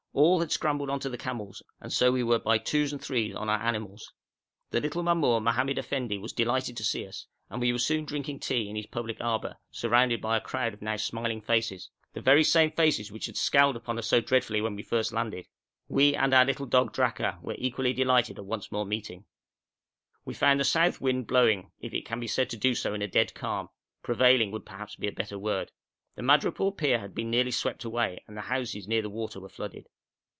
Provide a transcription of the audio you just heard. All had scrambled on to the camels, and so we were by twos and threes on our animals. The little mamour Mohammed Effendi was delighted to see us, and we were soon drinking tea in his public arbour, surrounded by a crowd of now smiling faces the very same faces which had scowled upon us so dreadfully when we first landed. We and our little dog Draka were equally delighted at once more meeting. We found the south wind blowing, if it can be said to do so in a dead calm prevailing would perhaps be a better word. The madrepore pier had been nearly swept away, and the houses near the water were flooded.